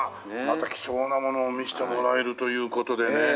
また貴重なものを見せてもらえるという事でね。